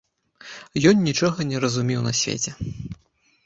Ён нічога не разумеў на свеце.